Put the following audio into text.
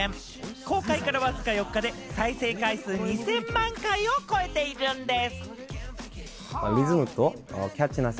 公開からわずか４日で再生回数２０００万回を超えているんです。